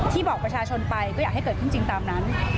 บอกประชาชนไปก็อยากให้เกิดขึ้นจริงตามนั้น